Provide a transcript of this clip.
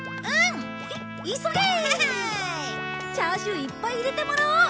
チャーシューいっぱい入れてもらおう！